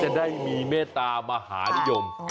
จะได้มีเมตตามหานิยม